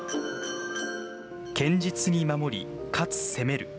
堅実に守り、かつ攻める。